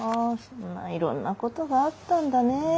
いろんなことがあったんだね。